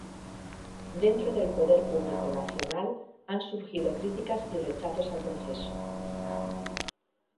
Dentro del Poder Público Nacional han surgido críticas y rechazos al proceso.